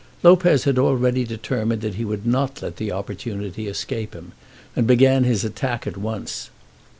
Lopez had already determined that he would not let the opportunity escape him, and began his attack at once.